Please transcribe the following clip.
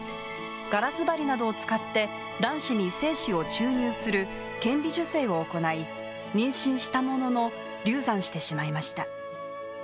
ガラス針などを使って卵子に精子を注入する顕微授精を行い妊娠したものの流産してしまいました。